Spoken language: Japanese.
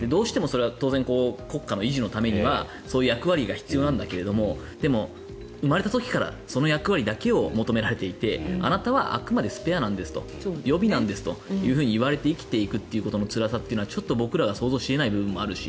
どうしてもそれは国家の維持のためにはそういう役割が必要なんだけど生まれた時からその役割だけを求められていてあなたはあくまでスペアなんですと予備なんですと言われて生きていくことのつらさってちょっと僕らが創造し得ない部分もあるし